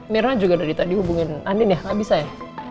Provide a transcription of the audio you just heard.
mirna juga dari tadi hubungin andin ya nggak bisa ya